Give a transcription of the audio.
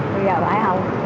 bây giờ phải không